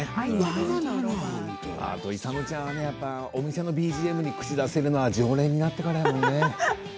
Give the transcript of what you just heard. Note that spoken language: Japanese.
あと勇ちゃんはお店のＢＧＭに口出しをするのは常連になってからだね。